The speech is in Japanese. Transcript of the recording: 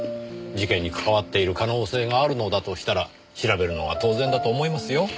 事件にかかわっている可能性があるのだとしたら調べるのは当然だと思いますよ。